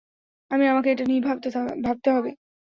আমি-আমাকে এটা নিয়ে ভাবতে হবে।